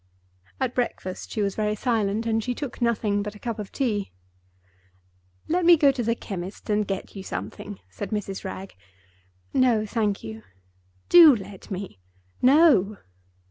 At breakfast she was very silent, and she took nothing but a cup of tea. "Let me go to the chemist's and get something," said Mrs. Wragge. "No, thank you." "Do let me!" "No!"